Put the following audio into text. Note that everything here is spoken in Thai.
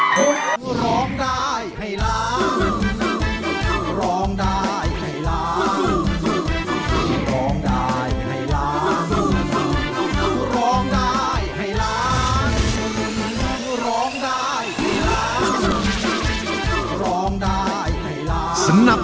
บรรจงจ่าเจ้า